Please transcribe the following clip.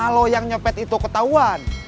kalau yang nyepet itu ketahuan